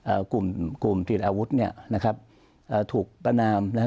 กลุ่มกลุ่มติดอาวุธเนี้ยนะครับอ่าถูกประนามนะฮะ